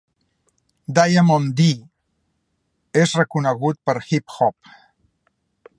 Diamond D és reconegut per "Hip Hop".